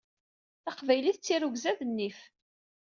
Taqbaylit d tirrugza d nnif.